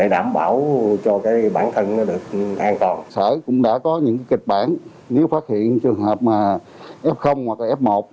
đã có những kịch bản nếu phát hiện trường hợp f hoặc f một